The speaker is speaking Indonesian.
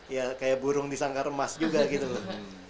ya kayak burung disangkar emas juga gitu loh